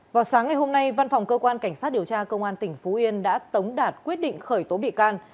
vào sáng ngày hôm nay văn phòng cơ quan cảnh sát điều tra công an tỉnh phú yên đã tống đạt quyết định khởi tố bị can